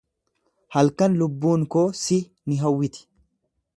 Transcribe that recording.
Halkan lubbuun koo si ni hawwiti.